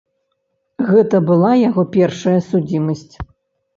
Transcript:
Гэта была яго першая судзімасць.